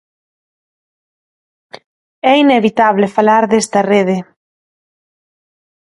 É inevitable falar desta rede.